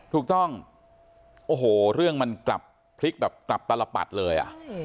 ถูกต้องโอ้โหเรื่องมันกลับพลิกแบบกลับตลปัดเลยอ่ะ